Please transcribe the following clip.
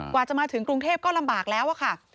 กว่าจะมาถึงกรุงเทพก็ลำบากแล้วอะค่ะ